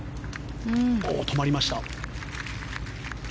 止まりました。